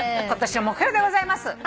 今年の目標でございます。